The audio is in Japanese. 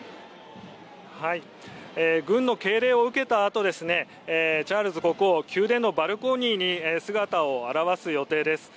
軍の敬礼を受けたあとチャールズ国王は宮殿のバルコニーに姿を現す予定です。